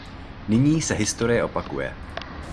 Nyní se historie opakuje.